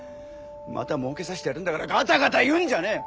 またもうけさせてやるんだからガタガタ言うんじゃねえ！